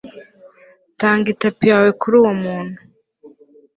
tanga itapi yawe kuri uwo muntu